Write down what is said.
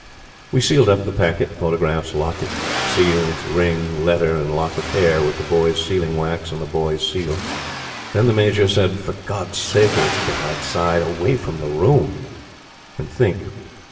We sealed up the packet, photographs, locket, seals, ring, letter, and lock of hair with The Boy's sealing wax and The Boy's seal. Then the Major said: "For God's sake let's get outside away from the room and think!"